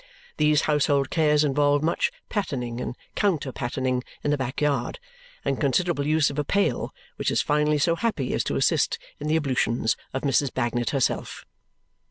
These household cares involve much pattening and counter pattening in the backyard and considerable use of a pail, which is finally so happy as to assist in the ablutions of Mrs. Bagnet herself.